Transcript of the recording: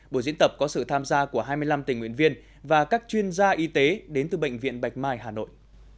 buổi diễn tập có sự tham gia của hai mươi năm tình nguyện viên và các chuyên gia y tế đến từ bệnh viện bạch mai hà nội